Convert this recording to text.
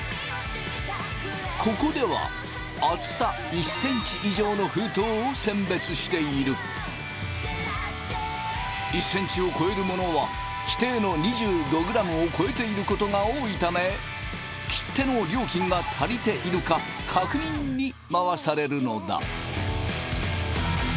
ここでは１ｃｍを超えるものは規定の２５ｇを超えていることが多いため切手の料金が足りているか確認に回されるのだ。